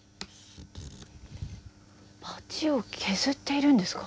バチを削っているんですか？